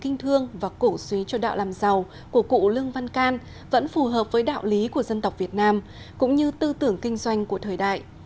nhà nho lương văn can vẫn phù hợp với đạo lý của dân tộc việt nam cũng như tư tưởng kinh doanh của thời đại